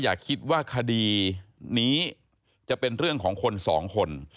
อย่าคิดว่าคดีนี้จะเป็นเรื่องของคนสองคน